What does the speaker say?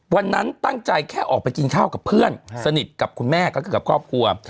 วันนั้นตั้งใจแค่ออกไปกินข้าวกับเพื่อนสนิทกับคุณแม่ก็คือกับครอบครัว